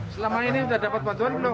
selama ini sudah dapat bantuan belum